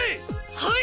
はい！